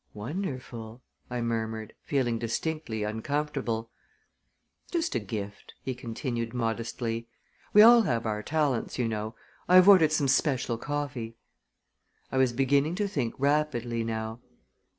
"Wonderful!" I murmured, feeling distinctly uncomfortable. "Just a gift!" he continued modestly. "We all have our talents, you know. I have ordered some special coffee." I was beginning to think rapidly now.